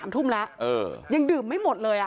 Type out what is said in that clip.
๓ทุ่มแล้วยังดื่มไม่หมดเลย